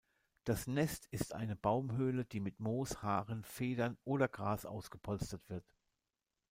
Das Nest ist eine Baumhöhle, die mit Moos, Haaren, Federn oder Gras ausgepolstert wird.